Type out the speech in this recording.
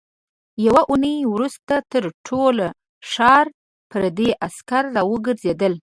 يوه اوونۍ وروسته تر ټول ښار پردي عسکر راوګرځېدل.